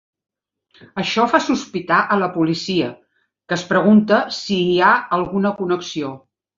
Això fa sospitar a la policia, que es pregunta si hi ha alguna connexió.